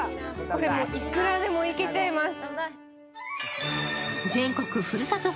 これ、いくらでもいけちゃいます。